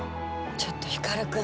ちょっと光くん。